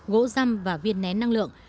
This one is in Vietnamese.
gỗ răm và viên nén năng lượng